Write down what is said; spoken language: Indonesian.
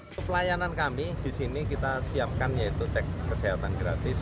untuk pelayanan kami di sini kita siapkan yaitu cek kesehatan gratis